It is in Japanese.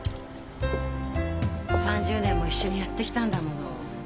３０年も一緒にやってきたんだもの。